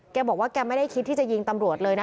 แกบอกว่าแกไม่ได้คิดที่จะยิงตำรวจเลยนะ